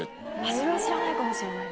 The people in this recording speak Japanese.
それは知らないかもしれないです。